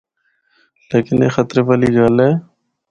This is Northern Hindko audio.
لیکن اے خطرے والی گل اے۔